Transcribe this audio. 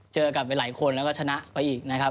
เจอกับหลายคนแล้วก็ชนะไปอีกนะครับ